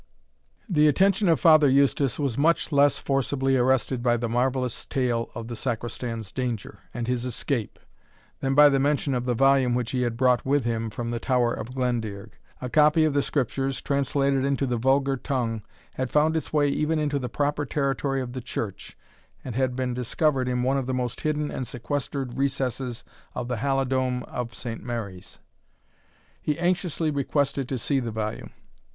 The attention of Father Eustace was much less forcibly arrested by the marvellous tale of the Sacristan's danger, and his escape, than by the mention of the volume which he had brought with him from the Tower of Glendearg. A copy of the Scriptures, translated into the vulgar tongue, had found its way even into the proper territory of the church, and had been discovered in one of the most hidden and sequestered recesses of the Halidome of Saint Mary's. He anxiously requested to see the volume.